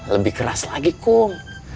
lebih keras lagi kum